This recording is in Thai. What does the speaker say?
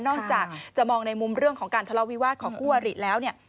อกจากจะมองในมุมเรื่องของการทะเลาวิวาสของคู่อริแล้วเนี่ย